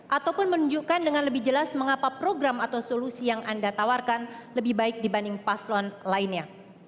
ataupun menunjukkan dengan lebih jelas mengapa program atau solusi yang anda tawarkan lebih baik dibanding paslon lainnya